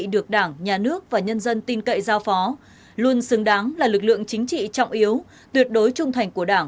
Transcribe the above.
được đảng nhà nước và nhân dân tin cậy giao phó luôn xứng đáng là lực lượng chính trị trọng yếu tuyệt đối trung thành của đảng